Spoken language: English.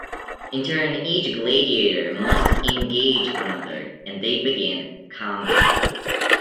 In turn, each gladiator must "engage" another, and they begin "combat".